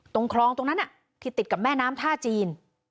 ตรงคลองตรงนั้นที่ติดกับแม่น้ำท่าจีน